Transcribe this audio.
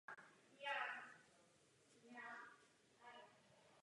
Příroda se stává partnerem člověka.